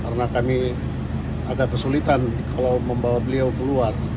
karena kami agak kesulitan kalau membawa beliau keluar